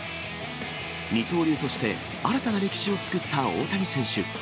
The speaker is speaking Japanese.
二刀流として新たな歴史を作った大谷選手。